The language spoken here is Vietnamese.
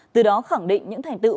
từ đó khẳng định những thành tựu